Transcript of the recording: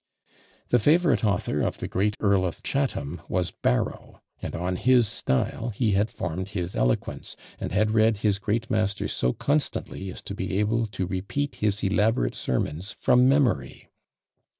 The favourite author of the great Earl of Chatham was Barrow; and on his style he had formed his eloquence, and had read his great master so constantly, as to be able to repeat his elaborate sermons from memory.